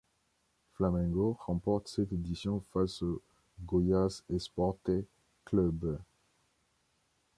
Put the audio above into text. Flamengo remporte cette édition face au Goiás Esporte Clube.